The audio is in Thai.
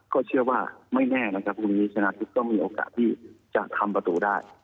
ก็เชื่อว่าไม่แน่นะครับพรุ่งนี้ชนะทิพย์ก็มีโอกาสที่จะทำประตูได้